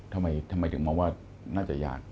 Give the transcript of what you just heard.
ทำไมถึงมองว่าน่าจะยาก